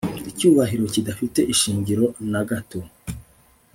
Icyubahiro kidafite ishingiro na agato